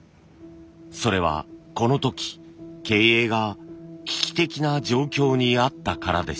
それはこの時経営が危機的な状況にあったからです。